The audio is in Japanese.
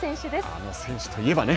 あの選手といえばね